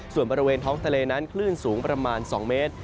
ส่วนบริเวณท้องทะเลนั้นคลื่นสูงประมาณ๒เมตร